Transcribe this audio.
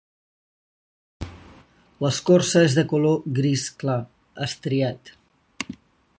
L'escorça és de color gris clar, estriat.